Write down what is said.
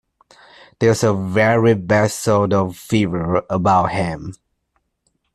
There's a very bad sort of fever about him.